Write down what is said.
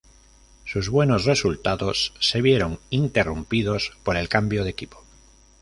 Sus buenos resultados se vieron interrumpidos por el cambio de equipo.